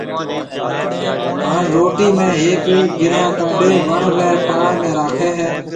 ھاڻ روٽِي ۾ ھيَََڪ گھرا ڪاڊيَ وڻ رِي پاݪ ۾ راکيَ ھيََََ